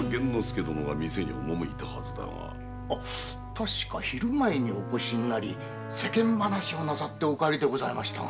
確か昼前にお見えになり世間話をなさってお帰りになりました。